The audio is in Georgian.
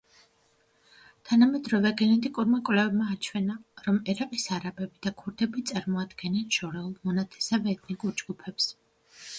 თანამედროვე გენეტიკურმა კვლევებმა აჩვენა, რომ ერაყის არაბები და ქურთები წარმოადგენენ შორეულ მონათესავე ეთნიკურ ჯგუფებს.